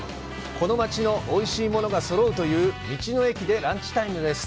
この町のおいしいものがそろうという道の駅でランチタイムです！